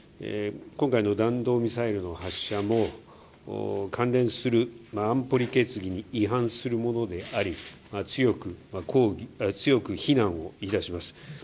今回の弾道ミサイルの発射も、関連する安保理決議に違反するものであり、強く非難をいたします。